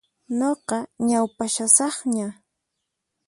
Nuqa ñaupashasaqña.